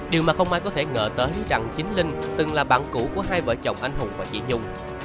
điều mà không ai có thể ngờ tới rằng chính linh từng là bạn cũ của hai vợ chồng anh hùng và chị nhung